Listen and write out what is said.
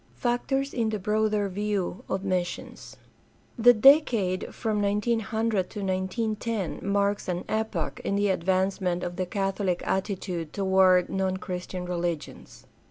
Factors in the broader view of missions. — The decade from 1900 to 1 9 10 marks an epoch in the advancement of the catholic attitude toward non Christian religions.